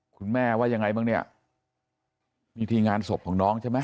คุณแม่ว่ายังไงบ้างเนี่ยมีที่งานศพของน้องใช่ไหม